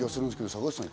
坂口さん。